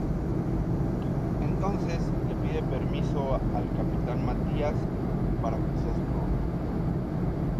Entonces le pide permiso al capitán Matías para que sea su novia.